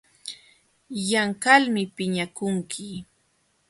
Yanqalmi piñakunki.